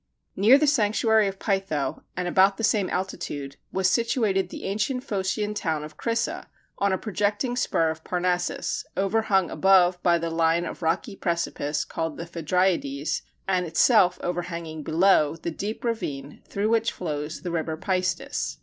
Near the sanctuary of Pytho, and about the same altitude, was situated the ancient Phocian town of Crissa, on a projecting spur of Parnassus overhung above by the line of rocky precipice called the Phædriades, and itself overhanging below the deep ravine through which flows the river Peistus.